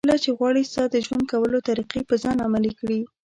کله چې غواړي ستا د ژوند کولو طریقه په ځان عملي کړي.